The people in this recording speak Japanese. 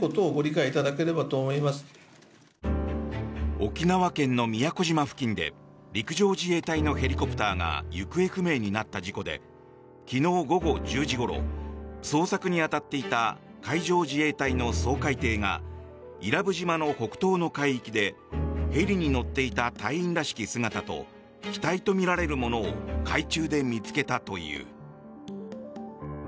沖縄県の宮古島付近で陸上自衛隊のヘリコプターが行方不明になった事故で昨日午後１０時ごろ捜索に当たっていた海上自衛隊の掃海艇が伊良部島の北東の海域でヘリに乗っていた隊員らしき姿と機体とみられるものを海中で見つけたという。